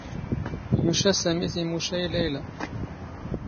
ⵢⵓⵛⴰ ⵙⴰⵎⵉ ⵜⵉⵎⵓⵛⴰ ⵉ ⵍⴰⵢⵍⴰ.